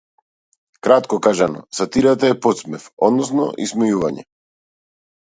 Кратко кажано, сатирата е потсмев, односно исмејување.